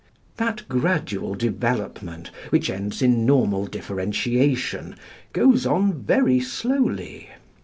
That gradual development, which ends in normal differentiation, goes on very slowly.